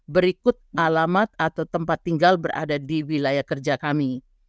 berikut alamat atau tempat tinggal berada di wilayah kerja kami